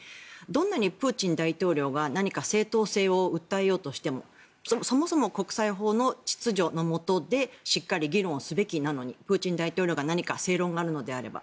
どんなにプーチン大統領が何か正当性を訴えようとしてもそもそも国際法の秩序のもとでしっかり議論をすべきなのにプーチン大統領が何か正論があるのであれば。